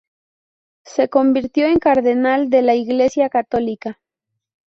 Se convirtió en cardenal de la Iglesia católica.